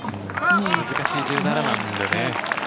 難しい１７番でね。